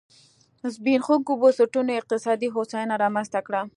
زبېښونکو بنسټونو اقتصادي هوساینه رامنځته کړه.